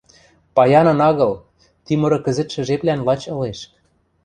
— Паянын агыл, ти мыры кӹзӹтшӹ жеплӓн лач ылеш.